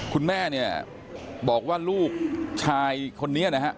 คุณแม่เนี่ยบอกว่าลูกชายคนนี้นะฮะ